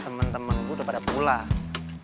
temen temen gue udah pada pulang